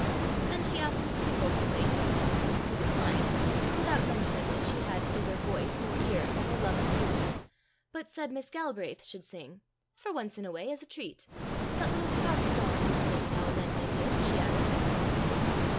Then she asked Miss Kimble to play something, who declined, without mentioning that she had neither voice nor ear nor love of music, but said Miss Galbraith should sing "for once in a way, as a treat. That little Scotch song you sing now and then, my dear," she added.